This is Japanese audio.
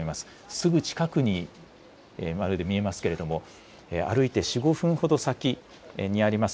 すぐ近くにまるで見えますけれども歩いて４、５分ほど先にあります